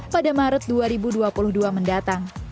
pada maret dua ribu dua puluh dua mendatang